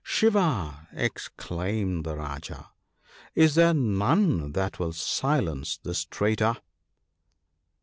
" Shiva !" exclaimed the Rajah, " is there none that will silence this traitor